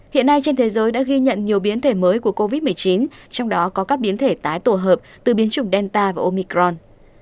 hiện nay trên thế giới đã ghi nhận nhiều biến thể mới của covid một mươi chín trong đó có các biến thể tái tổ hợp từ biến chủng delta và omicron